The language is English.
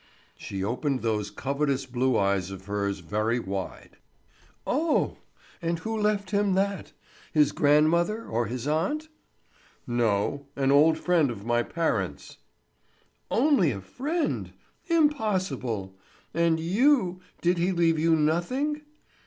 She opened those covetous blue eyes of hers very wide. "Oh! and who left him that? His grandmother or his aunt?" "No. An old friend of my parents'." "Only a friend! Impossible! And you—did he leave you nothing?"